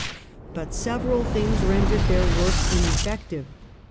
But several things rendered their work leffective.